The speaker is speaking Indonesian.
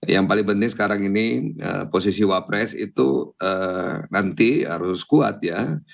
yang paling penting sekarang ini posisi wapres itu nanti harus kuat ya